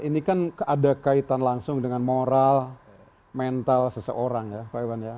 ini kan ada kaitan langsung dengan moral mental seseorang ya pak iwan ya